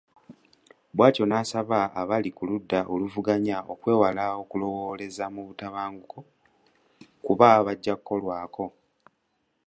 Bw’atyo n’asaba abali ku ludda oluvuganya okwewala okulowooleza mu butabanguko kuba bajja kukolwako.